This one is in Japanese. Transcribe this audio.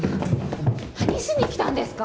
何しにきたんですか？